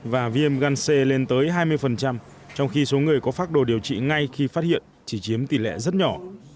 và viêm gan c lên tới hai mươi trong khi số người có phác đồ điều trị ngay khi phát hiện chỉ chiếm tỷ lệ rất nhỏ